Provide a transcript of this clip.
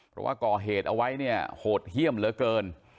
เพราะว่าก่อเหตุเอาไว้เนี่ยโหดเยี่ยมเหลือเกิน